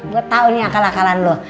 gue tau nih akal akalan lo